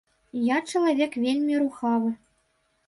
Я чалавек вельмі рухавы.